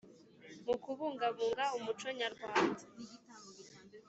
mu kubungabunga umuco nyarwanda